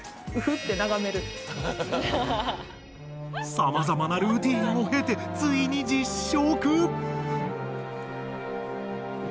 さまざまなルーティンを経てついに実食！